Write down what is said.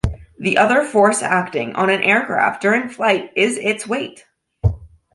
The other force acting on an aircraft during flight is its weight.